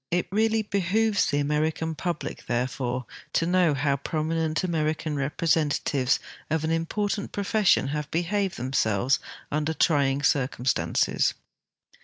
It really behooves the American public therefore to know how prominent American representatives of an important pro fession have behaved themselves under trying circumstances.